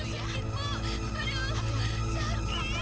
lihatlah ibu cantik sekali